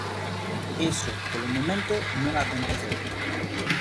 Iso, polo momento, non aconteceu.